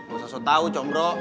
gak usah tau com bro